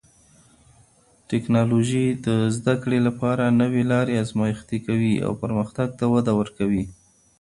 ټکنالوژي د زده کړې لپاره نوې لارې ازمېښتي کوي او پرمختګ ته وده ورکوي.